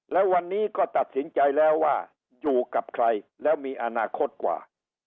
แล้ววันนี้ก็ตัดสินใจแล้วว่าอยู่กับใครแล้วมีอนาคตกว่า